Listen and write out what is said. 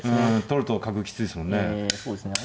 取ると角きついですもんね。